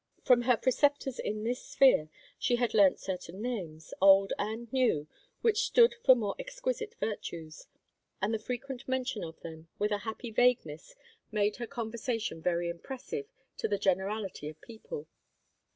From her preceptors in this sphere, she had learnt certain names, old and new, which stood for more exquisite virtues, and the frequent mention of them with a happy vagueness made her conversation very impressive to the generality of people.